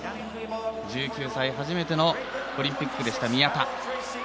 １９歳、初めてのオリンピックでした、宮田。